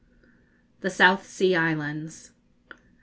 THE SOUTH SEA ISLANDS.